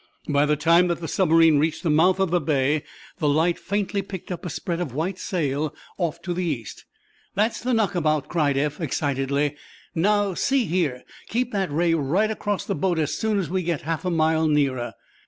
By the time that the submarine reached the mouth of the bay the light faintly picked up a spread of white sail, off to the East. "That's the knockabout," cried Eph, excitedly. "Now, see here, keep that ray right across the boat as soon as we get half a mile nearer."